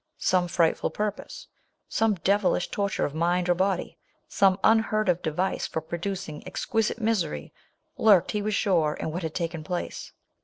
Some frightful purpose — some devilish torture of mind or body — some unheard of device for producing exquisite misery, lurked, he was sure, in what had taken place.